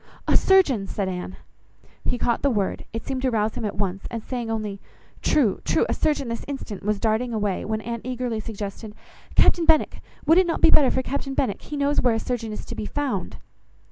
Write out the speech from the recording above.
"A surgeon!" said Anne. He caught the word; it seemed to rouse him at once, and saying only—"True, true, a surgeon this instant," was darting away, when Anne eagerly suggested— "Captain Benwick, would not it be better for Captain Benwick? He knows where a surgeon is to be found."